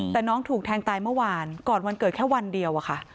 แต่น้องถูกแทงตายเมื่อวานก่อนวันเกิดแค่วันเดียวอะค่ะ